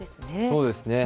そうですね。